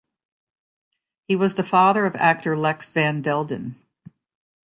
He was the father of actor Lex van Delden.